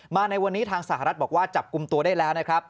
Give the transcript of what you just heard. ในวันนี้ทางสหรัฐบอกว่าจับกลุ่มตัวได้แล้วนะครับ